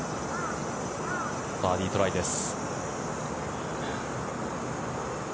バーディートライです。